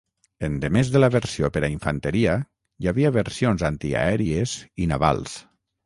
Endemés de la versió per a infanteria, hi havia versions antiaèries i navals.